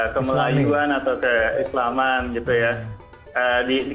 kemelayuan atau keislaman gitu ya